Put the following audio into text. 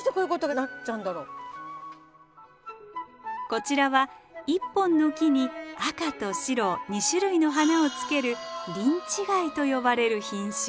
こちらは１本の木に赤と白２種類の花をつける輪違いと呼ばれる品種。